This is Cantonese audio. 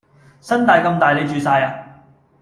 新界咁大你住曬呀！